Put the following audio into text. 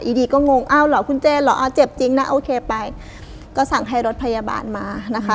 ดีก็งงอ้าวเหรอคุณเจเหรออ๋อเจ็บจริงนะโอเคไปก็สั่งให้รถพยาบาลมานะคะ